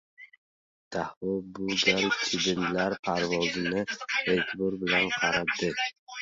Daho bu gal chibinlar parvozini e’tibor bilan qaradi.